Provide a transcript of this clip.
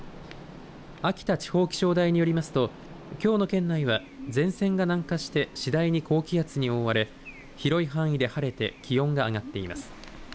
秋田地方気象台によりますときょうの県内は前線が南下して次第に高気圧に覆われ広い範囲で晴れて気温が上がっています。